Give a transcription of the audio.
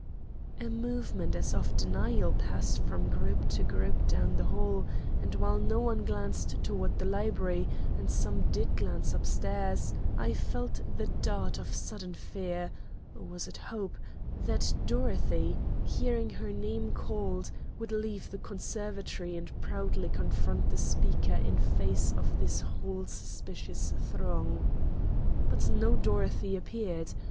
A movement as of denial passed from group to group down the hall, and, while no one glanced toward the library and some did glance up stairs, I felt the dart of sudden fear or was it hope that Dorothy, hearing her name called, would leave the conservatory and proudly confront the speaker in face of this whole suspicious throng. But no Dorothy appeared.